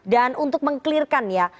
dan untuk mengkelirkan ya